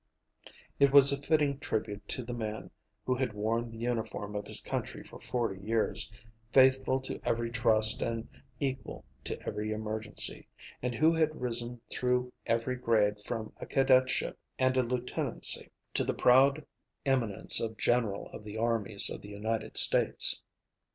It was a fitting tribute to the man who had worn the uniform of his country for forty years, faithful to every trust and equal to every emergency, and who had risen through every grade from a cadetship and a lieutenancy, to the proud eminence of General of the Armies of the United States.